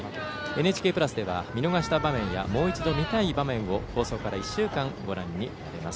ＮＨＫプラスでは見逃した場面やもう一度、見たい場面を放送から１週間ご覧になれます。